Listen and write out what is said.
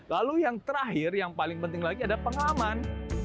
lalu yang terakhir yang paling penting lagi ada pengaman